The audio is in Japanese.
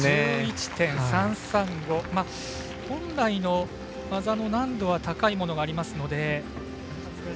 本来の技の難度は高いものがありますので。